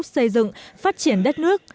xây dựng phát triển đất nước